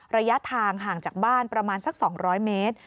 ระยะทางห่างจากบ้านประมาณสัก๒๐๐เมตร